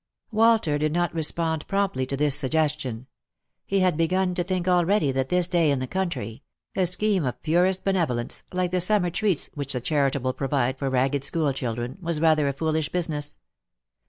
Walter did not respond promptly to this suggestion. He had begun to think already that this day in the country — a scheme of purest benevolence, like the summer treats which the charitable provide for ragged school children — was rather a foolish business.